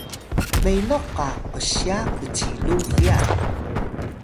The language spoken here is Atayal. meloh qa qsya bcilung hya